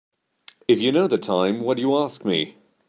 If you know the time why do you ask me?